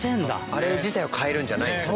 あれ自体を換えるんじゃないんですね。